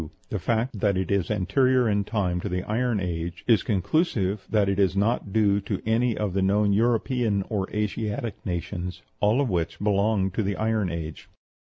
The fact that it is anterior in time to the Iron Age is conclusive that it is not due to any of the known European or Asiatic nations, all of which belong to the Iron Age.